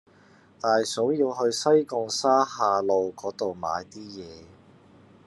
大嫂要去西貢沙下路嗰度買啲嘢